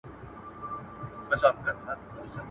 چپرهار ولسوالۍ په ننګرهار ولايت کې ده.